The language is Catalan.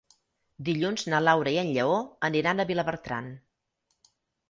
Dilluns na Laura i en Lleó aniran a Vilabertran.